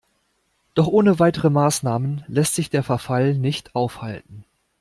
Doch ohne weitere Maßnahmen lässt sich der Verfall nicht aufhalten.